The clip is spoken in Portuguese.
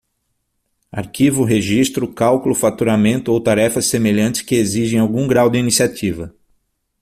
Arquivo, registro, cálculo, faturamento ou tarefas semelhantes que exigem algum grau de iniciativa.